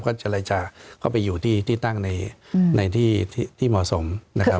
ก็เจรจาเข้าไปอยู่ที่ตั้งในที่ที่เหมาะสมนะครับ